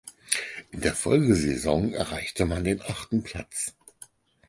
In der Folgesaison erreichte man den achten Platz.